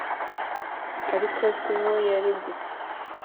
ariko siho yari gusa!